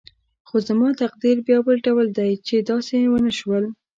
خو زما تقدیر بیا بل ډول دی چې داسې ونه شول.